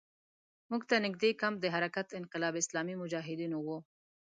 موږ ته نږدې کمپ د حرکت انقلاب اسلامي مجاهدینو وو.